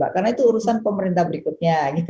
karena itu urusan pemerintah berikutnya